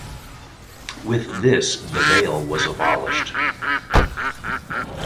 With this, the veil was abolished.